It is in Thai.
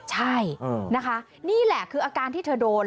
ใช่นะคะนี่แหละคืออาการที่เธอโดน